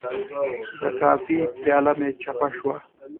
د کافي پیاله مې چپه شوه.